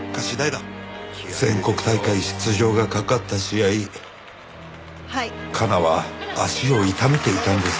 全国大会出場がかかった試合加奈は足を痛めていたんです。